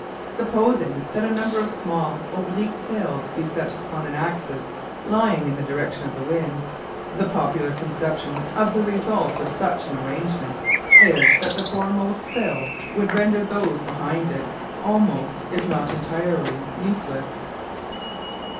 Supposing that a number of small oblique sails be set upon an axis lying in the direction of the wind, the popular conception of the result of such an arrangement is that the foremost sails would render those behind it almost, if not entirely, useless.